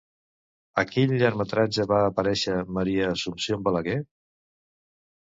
A quin llargmetratge va aparèixer Maria Assumpció Balaguer?